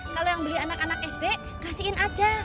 kalau yang beli anak anak sd kasihin aja